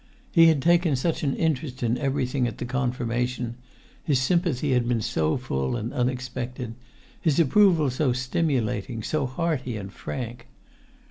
He had taken such an interest in everything at the confirmation, his sympathy had been so full and unexpected, his approval so stimulating, so hearty and frank!